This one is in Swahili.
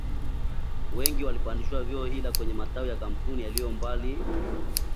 Wengi walipandishwa vyeo ila kwenye matawi ya kampuni yaliyo mbali